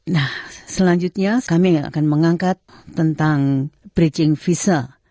nah selanjutnya kami akan mengangkat tentang bridging visa